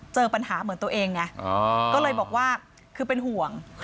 เจอปัญหาเหมือนตัวเองไงก็เลยบอกว่าคือเป็นห่วง